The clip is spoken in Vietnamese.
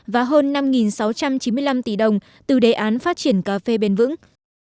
và hơn năm sáu trăm chín mươi năm tỷ đồng từ đề án phát triển cà phê bền vững